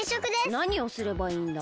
なにをすればいいんだ？